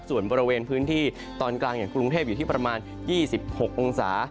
ส่วนบริเวณพื้นที่ตอนกลางอย่างกรุงเทพอยู่ที่ประมาณ๒๖องศา